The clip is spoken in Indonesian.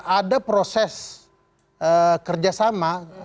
ada proses kerjasama